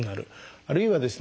あるいはですね